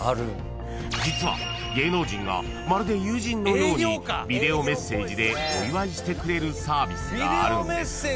［実は芸能人がまるで友人のようにビデオメッセージでお祝いしてくれるサービスがあるんです。